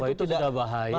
itu sudah bahaya